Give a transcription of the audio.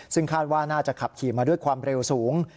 ซึ่งคาดว่าน่าจะขับขี่มาด้วยความเร็วสูง